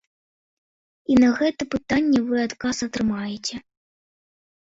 І на гэта пытанне вы адказ атрымаеце.